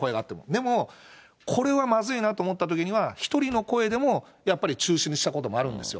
でもこれはまずいなと思ったときには、１人の声でもやっぱり中止にしたこともあるんですよ。